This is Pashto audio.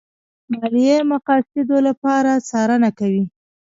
ماليې مقاصدو لپاره څارنه کوي.